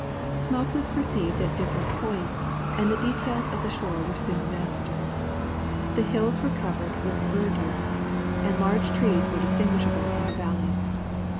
Smoke was perceived at different points, and the details of the shore were soon mastered. The hills were covered with verdure, and large trees were distinguishable in the valleys.